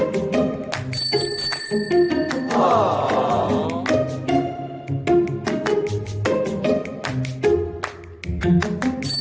สวัสดีค่ะ